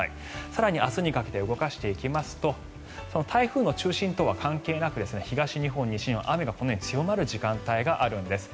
更に明日にかけて動かしていきますと台風の中心とは関係なく東日本、西日本雨が強まる時間帯があるんです。